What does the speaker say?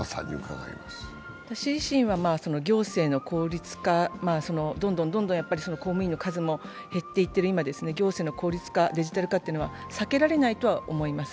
私自身は行政の効率化、どんどん公務員の数も減っていってる今、行政の効率化デジタル化っていうのは避けられないとは思います。